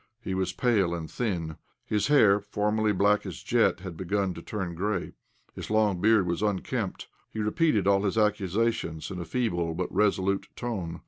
He was pale and thin. His hair, formerly black as jet, had begun to turn grey. His long beard was unkempt. He repeated all his accusations in a feeble, but resolute tone.